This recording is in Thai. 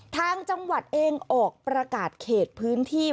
ทางจังหวัดเองออกประกาศเขตพื้นที่